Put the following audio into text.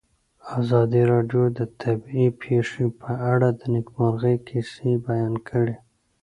ازادي راډیو د طبیعي پېښې په اړه د نېکمرغۍ کیسې بیان کړې.